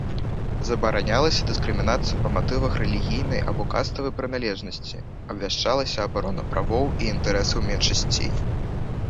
Забаранялася дыскрымінацыя па матывах рэлігійнай або каставай прыналежнасці, абвяшчалася абарона правоў і інтарэсаў меншасцей.